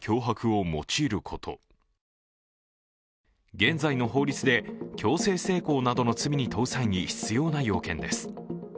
現在の法律で強制性交などの罪に問う際に必要な要件です。